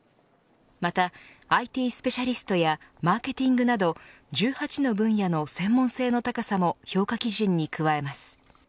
また、ＩＴスペシャリストやマーケティングなど１８の分野の専門性の高さも評価基準に加えます。